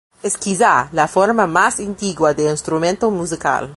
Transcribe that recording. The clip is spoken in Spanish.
Es quizá, la forma más antigua de instrumento musical.